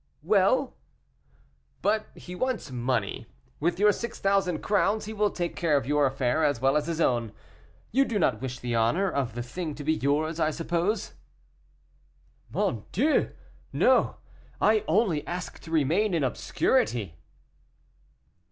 "Well?" "But he wants money; with your six thousand crowns he will take care of your affair as well as his own. You do not wish the honor. of the thing to be yours, I suppose?" "Mon Dieu! no; I only ask to remain in obscurity."